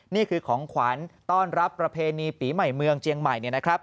นี่คือของขวัญต้อนรับประเพณีปีใหม่เมืองเจียงใหม่เนี่ยนะครับ